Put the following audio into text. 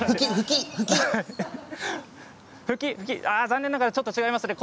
残念ながらちょっと違いますね。